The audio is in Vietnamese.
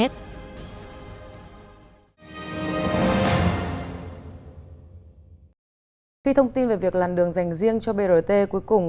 khi thông tin về việc làn đường dành riêng cho brt cuối cùng